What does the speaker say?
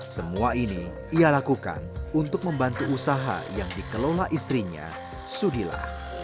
semua ini ia lakukan untuk membantu usaha yang dikelola istrinya sudila